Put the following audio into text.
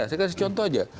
saya kasih contoh aja